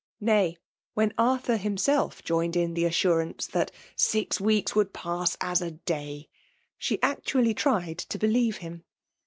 Nay, when Arthur himself joined in the assurance that " Six weeks would pass as a day," she actually tried to beUeve him.